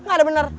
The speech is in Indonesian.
gak ada bener